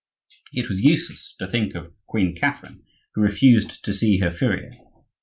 It was useless to think of Queen Catherine, who refused to see her furrier.